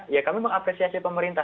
ya kami mengapresiasi pemerintah